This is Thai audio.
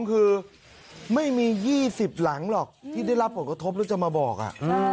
คือไม่มี๒๐หลังหรอกที่ได้รับผลกระทบแล้วจะมาบอก